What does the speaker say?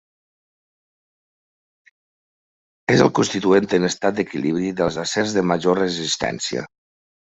És el constituent en estat d'equilibri dels acers de major resistència.